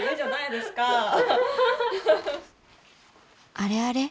あれあれ？